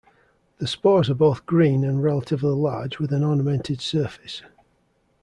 The spores are both green and relatively large with an ornamented surface.